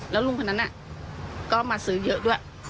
แล้วลุงคนนั้นก็มาซื้อเยอะด้วย